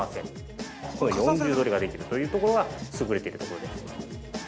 その４重取りができるというところが優れているところです。